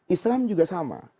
islam juga sama